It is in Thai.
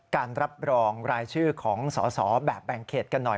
การรับรองรายชื่อของสอสอแบบแบ่งเขตกันหน่อย